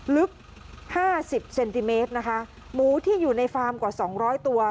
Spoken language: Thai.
ลึก๕๐เซนติเมตรนะคะหมูที่อยู่ในฟาร์มกว่า๒๐๐ตัว